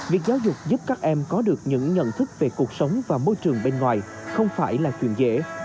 việc giáo dục giúp các em có được những nhận thức về cuộc sống và môi trường bên ngoài không phải là chuyện dễ